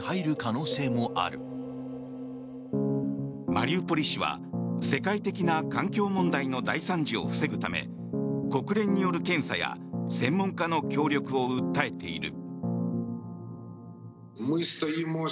マリウポリ市は世界的な環境問題の大惨事を防ぐため国連による検査や専門家の協力を訴えている。